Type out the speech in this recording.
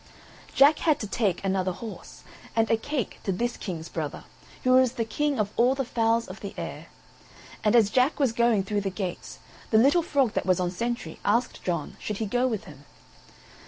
Jack had to take another horse, and a cake to this King's brother, who is the King of all the fowls of the air; and as Jack was going through the gates, the little frog that was on sentry asked John should he go with him.